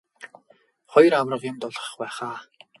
Хоёр аварга юм дуулгах байх аа.